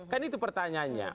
kan itu pertanyaannya